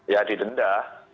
ya di denda